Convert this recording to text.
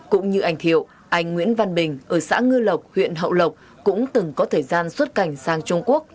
cũng như anh thiệu anh nguyễn văn bình ở xã ngư lộc huyện hậu lộc cũng từng có thời gian xuất cảnh sang trung quốc